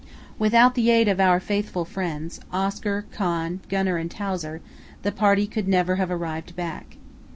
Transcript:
"Without the aid of four faithful friends, Oscar, Con, Gunner, and Towser, the party could never have arrived back.